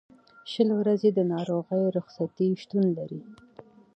شل ورځې د ناروغۍ رخصتۍ شتون لري.